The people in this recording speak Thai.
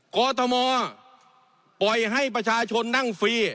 กรทมปล่อยให้ประชาชนนั่งฟรี